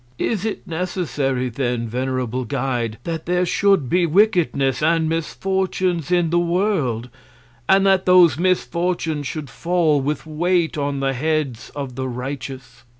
Is it necessary then, venerable Guide, that there should be Wickedness and Misfortunes in the World, and that those Misfortunes should fall with Weight on the Heads of the Righteous?